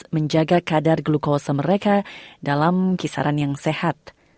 menjaga kadar glukosa mereka dalam kisaran yang sehat